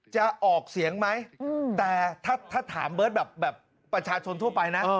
จะออกเสียงไหมแต่ถ้าถามเบิร์ตแบบประชาชนทั่วไปนะ